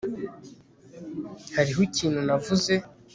hariho ikintu navuze